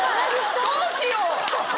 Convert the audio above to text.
どうしよう？